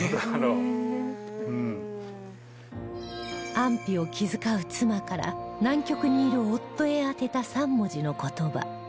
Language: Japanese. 安否を気遣う妻から南極にいる夫へ宛てた３文字の言葉